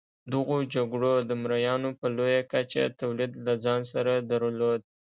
دغو جګړو د مریانو په لویه کچه تولید له ځان سره درلود.